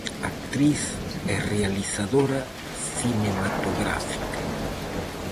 Actriz e realizadora cinematográfica.